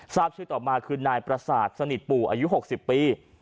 ทราบชื่อต่อมาคือนายประสาทสนิทปู่อายุ๖๐ปี